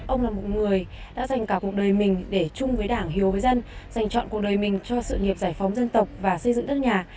ông là một người đã dành cả cuộc đời mình để chung với đảng hiếu với dân dành chọn cuộc đời mình cho sự nghiệp giải phóng dân tộc và xây dựng đất nhà